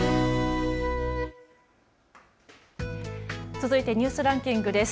続いてニュースランキングです。